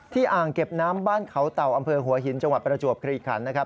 อ่างเก็บน้ำบ้านเขาเต่าอำเภอหัวหินจังหวัดประจวบคลีขันนะครับ